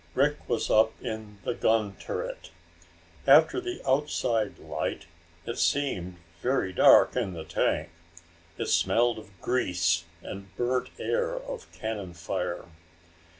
Rick was up in the gun turret. After the outside light, it seemed very dark in the tank. It smelled of grease and the burnt air of cannon fire.